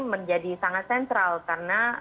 menjadi sangat sentral karena